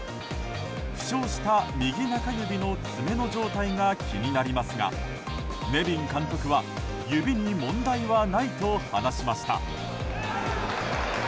負傷した右中指の爪の状態が気になりますがネビン監督は指に問題はないと話しました。